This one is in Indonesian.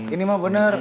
ini mah bener